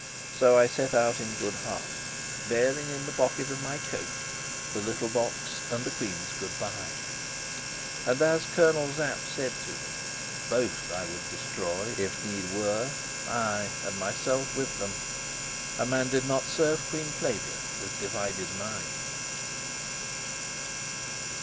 So I set out in good heart, bearing in the pocket of my coat the little box and the queen's good by. And, as Colonel Sapt said to me, both I would destroy, if need were ay, and myself with them. A man did not serve Queen Flavia with divided mind.